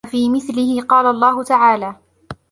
وَفِي مِثْلِهِ قَالَ اللَّهُ تَعَالَى